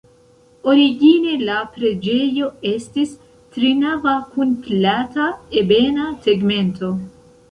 Origine la preĝejo estis trinava kun plata, ebena tegmento.